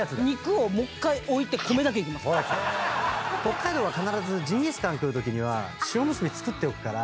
北海道は必ずジンギスカン食うときには塩むすび作っておくから。